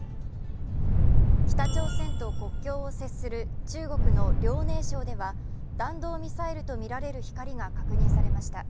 北朝鮮と国境を接する中国の遼寧省では弾道ミサイルとみられる光が確認されました。